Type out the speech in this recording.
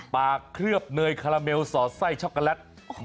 เคลือบเนยคาราเมลสอดไส้ช็อกโกแลต